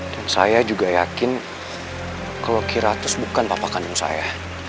dan saya juga yakin kalau kiratus bukan papa kandung saya